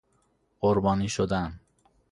قربانی شدن